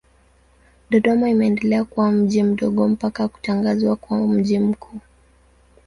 Dodoma imeendelea kuwa mji mdogo mpaka kutangazwa kuwa mji mkuu.